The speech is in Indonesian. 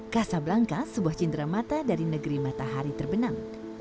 kasablangka sebuah cindera mata dari negeri matahari terbenam